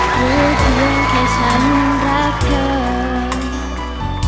มิลาโอรากันรูปยังแค่สามราคา